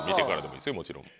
もちろん。